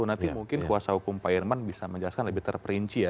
nanti mungkin kuasa hukum pak irman bisa menjelaskan lebih terperinci ya